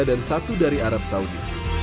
dan satu dari arab saudi